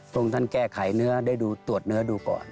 องค์ท่านแก้ไขเนื้อได้ดูตรวจเนื้อดูก่อน